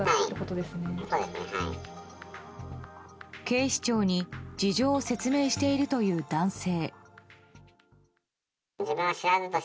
警視庁に事情を説明しているという男性。